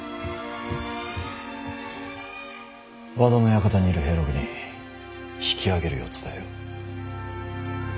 和田の館にいる平六に引き揚げるよう伝えよ。